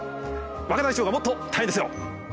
若大将がもっと大変ですよ。